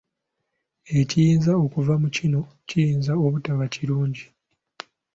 Ekiyinza okuva mu kino kiyinza obutaba kirungi.